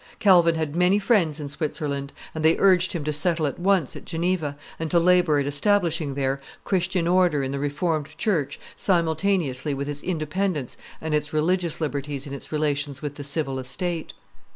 Calvin had many friends in Switzerland, and they urged him to settle at once at Geneva, and to labor at establishing there Christian order in the Reformed church simultaneously with its independence and its religious liberties in its relations with the civil estate.